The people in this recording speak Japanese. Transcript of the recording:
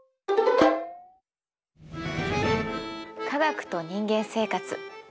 「科学と人間生活」